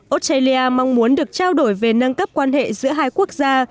australia mong muốn được trao đổi về nâng cấp quan hệ giữa hai quốc gia